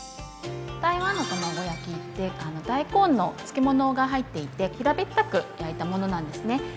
台湾のたまご焼きって大根の漬物が入っていて平べったく焼いたものなんですね。